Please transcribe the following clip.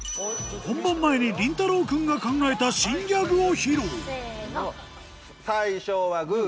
本番前にりんたろう君が考えた新ギャグを披露せの。